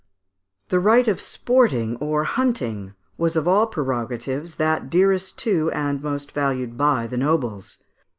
The right of sporting or hunting was of all prerogatives that dearest to, and most valued by the nobles.